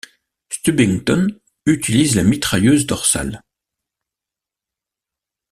Stubbington utilise la mitrailleuse dorsale.